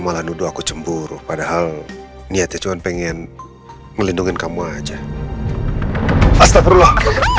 malah duduk ke cemburu padahal niatnya cuman pengen melindungi kamu aja astagfirullah